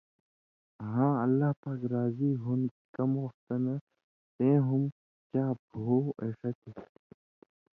ہاں اللہ پاک راضی ہُن کھئیں کم وختہ نہ سئیں ہُم چھاپ ہُوں اَیݜَتے۔